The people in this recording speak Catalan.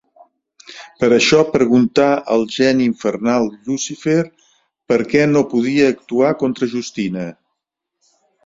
Per això preguntà al Geni Infernal Llucifer perquè no podia actuar contra Justina.